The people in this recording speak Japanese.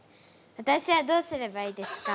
わたしはどうすればいいですか？